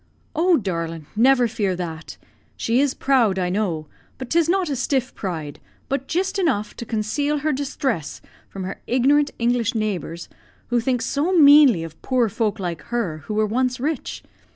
"Oh, darlint, never fear that! She is proud, I know; but 'tis not a stiff pride, but jist enough to consale her disthress from her ignorant English neighbours, who think so manely of poor folk like her who were once rich.